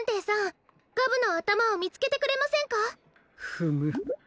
フム。